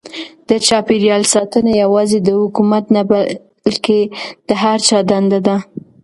د چاپیریال ساتنه یوازې د حکومت نه بلکې د هر چا دنده ده.